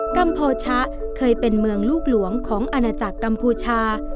กัมโพชะเคยเป็นเมืองลูกหลวงของอาณาจักรกัมพูชา